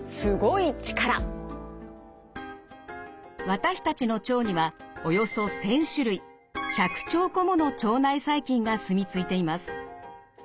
私たちの腸にはおよそ１，０００種類１００兆個もの腸内細菌がすみついています。